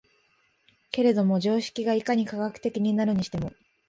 けれども常識がいかに科学的になるにしても、